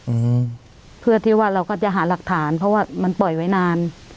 อืมเพื่อที่ว่าเราก็จะหาหลักฐานเพราะว่ามันปล่อยไว้นาน